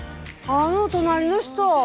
あの隣の人